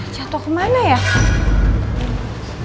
jatoh kemana ya